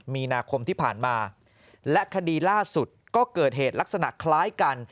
มีนาคมที่ผ่านมาและคดีล่าสุดก็เกิดเหตุลักษณะคล้ายกัน